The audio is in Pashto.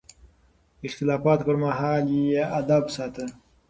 د اختلاف پر مهال يې ادب ساته.